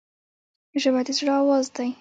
ژبه د زړه آواز دی